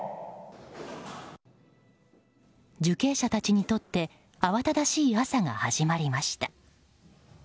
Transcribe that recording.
受刑者たちにとって慌ただしい朝が始まりました。